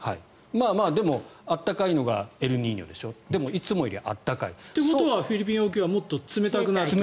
でも、暖かいのがエルニーニョでしょでも、いつもより暖かい。ということはフィリピン沖はもっと冷たくなるのね。